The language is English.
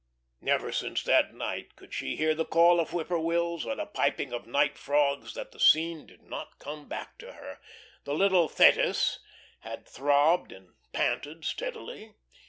Never since that night could she hear the call of whip poor wills or the piping of night frogs that the scene did not come back to her. The little "Thetis" had throbbed and panted steadily.